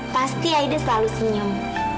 pasti aida selalu senyum